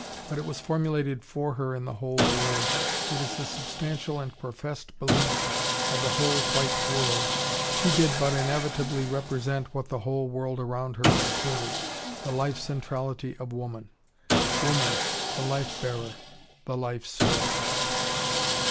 But it was formulated for her in the whole world. It is the substantial and professed belief of the whole white world. She did but inevitably represent what the whole world around her asserted: the life centrality of woman. Woman, the life bearer, the life source.